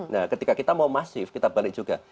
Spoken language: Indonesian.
nah ketika kita mau masif kita balik juga